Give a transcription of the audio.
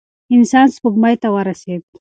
انسان سپوږمۍ ته ورسېد.